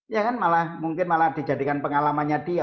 ya kan malah mungkin malah dijadikan pengalamannya dia